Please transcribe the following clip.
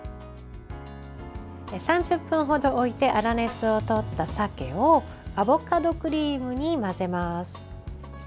３０分程置いて粗熱をとった鮭をアボカドクリームに混ぜます。